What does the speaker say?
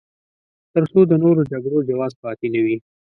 تر څو د نورو جګړو جواز پاتې نه وي.